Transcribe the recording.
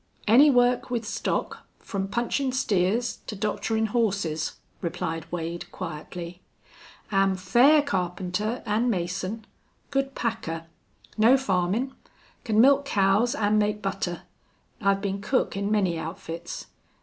"Any work with stock, from punchin' steers to doctorin' horses," replied Wade, quietly. "Am fair carpenter an' mason. Good packer. Know farmin'. Can milk cows an' make butter. I've been cook in many outfits.